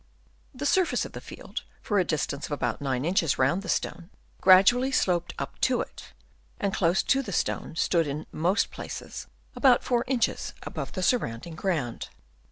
The surface of the field, for a distance of about 9 inches round the stone, gradually sloped up to it, and close to the stone stood in most places about 4 inches above the surrounding ground.